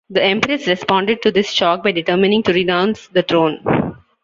The Empress responded to this shock by determining to renounce the throne.